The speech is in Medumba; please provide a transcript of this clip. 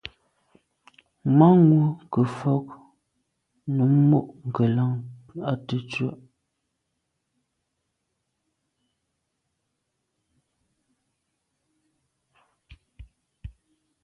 Manwù ke mfôg num mo’ ngelan à tèttswe’.